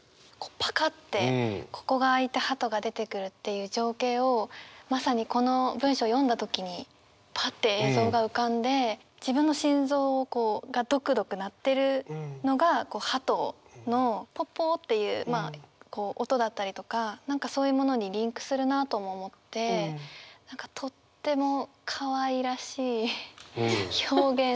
パカッてここが開いてハトが出てくるっていう情景をまさにこの文章を読んだ時にパッて映像が浮かんで自分の心臓がドクドク鳴ってるのがハトの「ポッポ」っていうまあ音だったりとか何かそういうものにリンクするなとも思ってとってもかわいらしい表現。